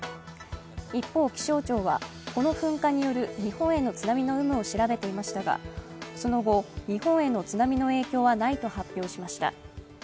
一方、気象庁はこの噴火による日本への津波の有無を調べていましたがその後、日本への津波の影響はないと発表しました。